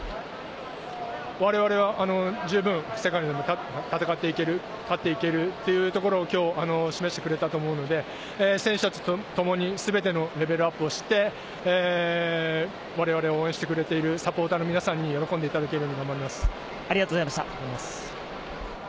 我々は十分世界でも戦っていける、勝っていけるっていうところを今日示してくれたと思うので、選手たちと共に全てのレベルアップをして、我々を応援してくれているサポーターの皆さんに喜んでいただけるように頑張ります。